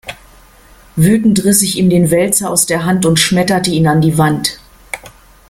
Wütend riss ich ihm den Wälzer aus der Hand und schmetterte ihn an die Wand.